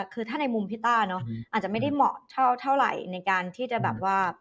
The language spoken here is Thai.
คือถ้าในมุมพี่ต้าเนอะอาจจะไม่ได้เหมาะเท่าไหร่ในการที่จะแบบว่า